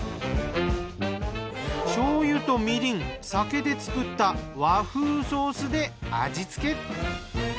醤油とみりん酒で作った和風ソースで味付け。